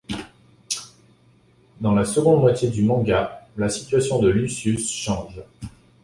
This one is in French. Dans la seconde moitié du manga, la situation de Lucius change.